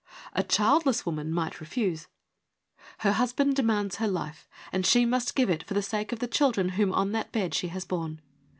A childless woman might refuse. Her husband demands her life, and she must give it for the sake of the children whom on that bed she has borne.